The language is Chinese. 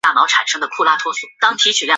市树是一个城市的代表树木。